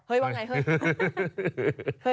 เฮ้ยว่าไงเฮ้ย